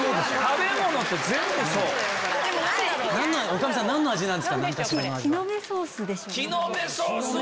女将さん何の味なんですか？